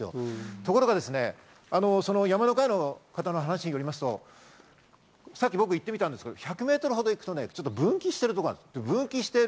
ところが山の会の方の話によりますとさっき僕行ってみたんですけど、１００ｍ行くと分岐してるところがある。